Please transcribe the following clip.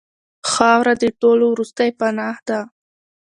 خاوره د ټولو وروستۍ پناه ده.